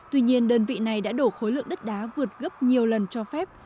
tuy nhiên đơn vị này đã đổ khối lượng đất đá vượt gấp nhiều lần cho phép